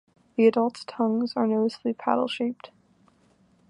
The adults' tongues are noticeably paddle-shaped.